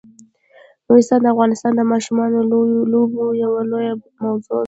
نورستان د افغانستان د ماشومانو د لوبو یوه لویه موضوع ده.